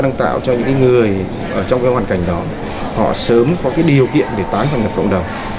đang tạo cho những người trong hoàn cảnh đó họ sớm có điều kiện để tái tham nhập cộng đồng